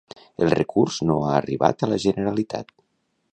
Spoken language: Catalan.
El recurs no ha arribat a la Generalitat.